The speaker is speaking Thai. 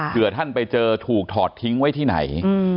เพื่อท่านไปเจอถูกถอดทิ้งไว้ที่ไหน